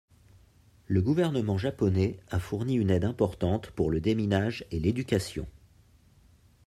Le gouvernement japonais a fourni une aide importante pour le déminage et l'éducation.